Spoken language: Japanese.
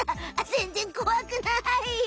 ぜんぜんこわくない！